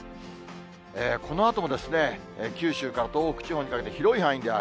このあとも、九州から東北地方にかけて、広い範囲で雨。